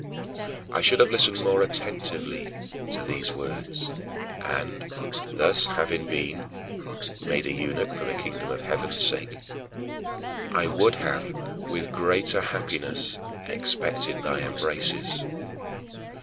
" I should have listened more attentively to these words, and, thus having been "made a eunuch for the Kingdom of Heaven's sake," I would have with greater happiness expected thy embraces.